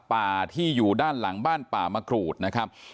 ป่าที่อยู่ด้านหลังบ้านป่ามะกรูดนะครับ